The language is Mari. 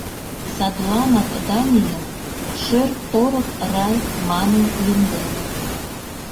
Садланак Данийым «шӧр-торык рай» манын лӱмденыт.